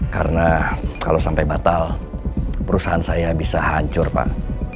karena kalau sampai batal perusahaan saya bisa hancur pak